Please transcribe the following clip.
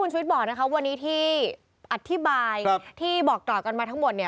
คุณชุมิทบอกวันนี้ที่อธิบายที่บอกต่อกันมาทั้งหมด